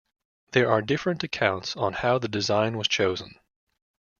There are different accounts on how the design was chosen.